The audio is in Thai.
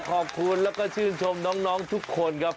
ขอบคุณแล้วก็ชื่นชมน้องทุกคนครับ